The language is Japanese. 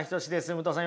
武藤さん